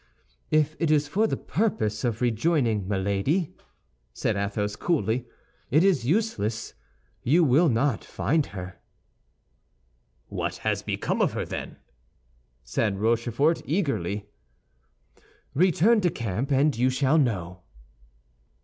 "If it is for the purpose of rejoining Milady," said Athos, coolly, "it is useless; you will not find her." "What has become of her, then?" asked Rochefort, eagerly. "Return to camp and you shall know."